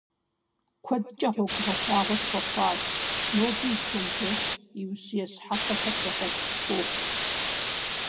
Куэдкӏэ гъуэгугъэлъагъуэ тхуэхъуащ, ноби и чэнджэщ, и ущие щхьэпэхэр сэбэп къытхуохъу.